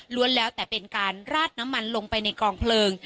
แล้วแต่เป็นการราดน้ำมันลงไปในกองเพลิง